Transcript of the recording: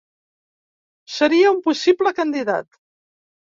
Seria un possible candidat.